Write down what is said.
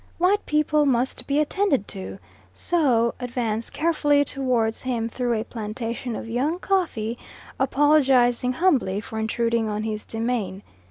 White people must be attended to, so advance carefully towards him through a plantation of young coffee, apologising humbly for intruding on his domain.